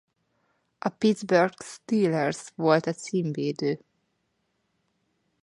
A Pittsburgh Steelers volt a címvédő.